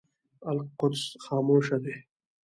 القدس خاموشه دی.